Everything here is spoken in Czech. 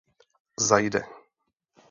Zajde.